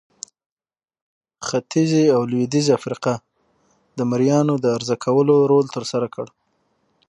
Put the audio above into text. ختیځې او لوېدیځې افریقا د مریانو د عرضه کولو رول ترسره کړ.